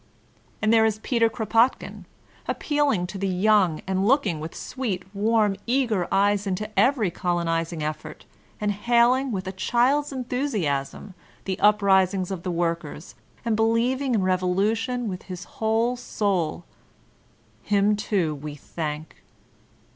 And there is Peter Kropotkin appealing to the young, and looking with sweet, warm, eager eyes into every col onizing effort, and hailing with a child's enthusiasm the uprisings of the workers, and believing in revolution with his whole souL Him too we thank.